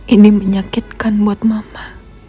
ini menyakitkan buat mama